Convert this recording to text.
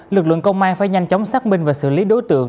lực lượng công an phải nhanh chóng xác minh và xử lý đối tượng